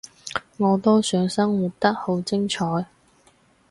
我都想生活得好精彩